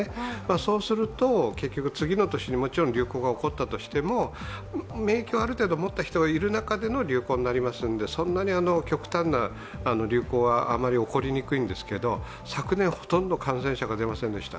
そうすると次の年に流行が起こったとしても、免疫をある程度持った中での流行となりますのでそんなに極端な流行はあまり起こりにくいんですけど昨年はほとんど感染者が出ませんでした。